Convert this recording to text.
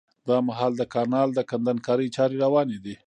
دا مهال د کانال د کندنکارۍ چاري رواني دي